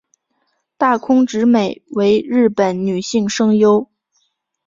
大空直美为日本女性声优。